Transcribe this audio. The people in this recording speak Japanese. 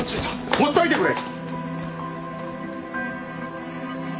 放っといてくれ！